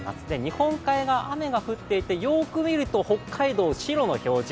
日本海側、雨が降っていて、よく見ると北海道、白の表示。